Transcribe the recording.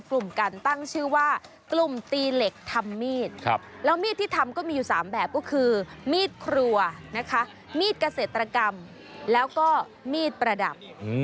แล้วมีดที่ทำก็มีอยู่๓แบบก็คือมีดครัวนะคะมีดเกษตรกรรมแล้วก็มีดประดับ